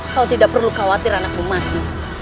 kau tidak perlu khawatir anakku mati